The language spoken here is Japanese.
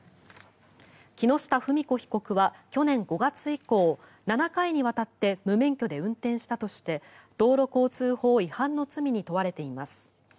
木下富美子被告は去年５月以降７回にわたって無免許で運転したとして道路交通法違反の罪に問われています。